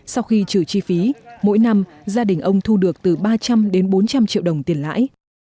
sau khi trừ chi phí mỗi năm gia đình ông thu được từ ba trăm linh đến bốn trăm linh triệu đồng tiền lãi